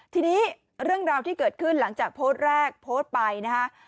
ทีนี้เรื่องราวที่เกิดขึ้นหลังจากโพสต์แรกโพสต์ไปนะฮะ